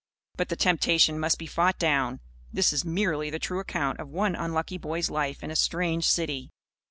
But the temptation must be fought down. This is merely the true account of one unlucky boy's life in a strange city.